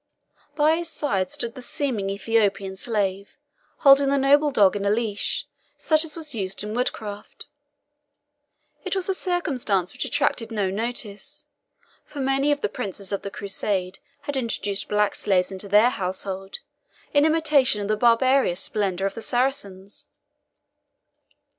By his side stood the seeming Ethiopian slave, holding the noble dog in a leash, such as was used in woodcraft. It was a circumstance which attracted no notice, for many of the princes of the Crusade had introduced black slaves into their household, in imitation of the barbarous splendour of the Saracens.